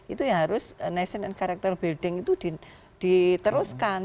itu ya harus nation and character building itu diteruskan